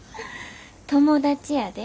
友達やで。